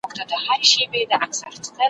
نن که هجران دئ، سبا وصال دئ